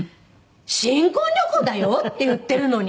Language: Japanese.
「新婚旅行だよ？」って言ってるのに。